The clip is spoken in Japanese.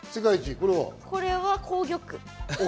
これは紅玉。